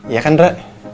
ya kan re